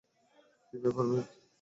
কী ব্যাপার, বেক?